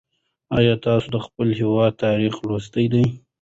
ایا تاسې د خپل هېواد تاریخ لوستلی دی؟